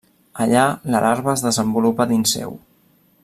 Allà la larva es desenvolupa dins seu.